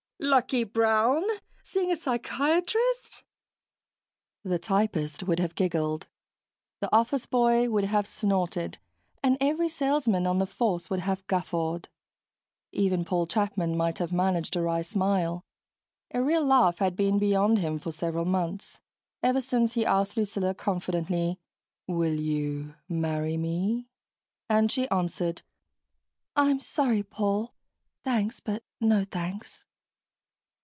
"Lucky Brown? seeing a psychiatrist?" The typist would have giggled, the office boy would have snorted, and every salesman on the force would have guffawed. Even Paul Chapman might have managed a wry smile. A real laugh had been beyond him for several months ever since he asked Lucilla confidently, "Will you marry me?" and she answered, "I'm sorry, Paul thanks, but no thanks."